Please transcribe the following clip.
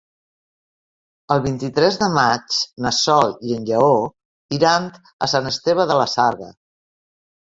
El vint-i-tres de maig na Sol i en Lleó iran a Sant Esteve de la Sarga.